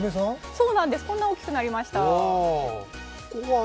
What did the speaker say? そうなんです、こんなに大きくなりました。